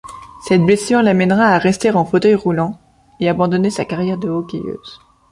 Cette blessure l’amènera à rester en fauteuil roulant et abandonner sa carrière de hockeyeuse.